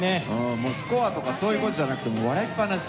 もうスコアとか、そういうもんじゃなくて、もう笑いっぱなし。